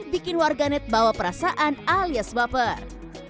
bikin warganet bawa perasaan alias baper